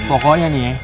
pokoknya nih eh